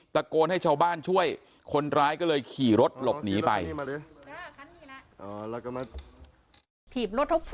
ตะโกนให้ชาวบ้านช่วยคนร้ายก็เลยขี่รถหลบหนีไป